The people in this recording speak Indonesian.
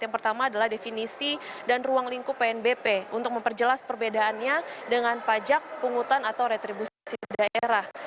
yang pertama adalah definisi dan ruang lingkup pnbp untuk memperjelas perbedaannya dengan pajak pungutan atau retribusi daerah